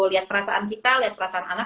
liat perasaan kita liat perasaan anak